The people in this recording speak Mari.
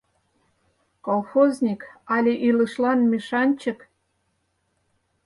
Колхозник але илышлан мешанчык?